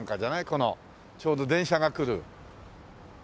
このちょうど電車が来る。